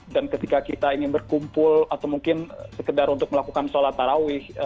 dan ketika kita ingin berkumpul atau mungkin sekedar untuk melakukan sholat tarawih